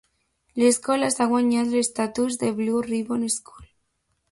L'escola s'ha guanyat l'estatus de Blue Ribbon School.